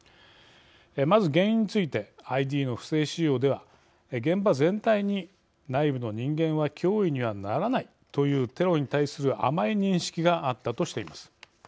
まず原因についてＩＤの不正使用では現場全体に内部の人間は脅威にはならないというテロに対する甘い認識があったとしています。